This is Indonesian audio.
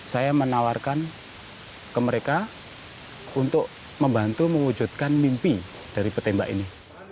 saya menawarkan ke mereka untuk membantu mewujudkan mimpi dari petembak ini